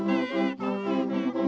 pertama suara dari biasusu